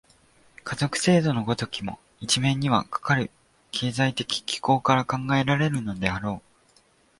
家族制度の如きも、一面にはかかる経済的機構から考えられるであろう。